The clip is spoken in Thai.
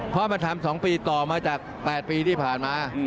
เพราะมันทำ๒ปีต่อมาจาก๘ปีที่ผ่านมา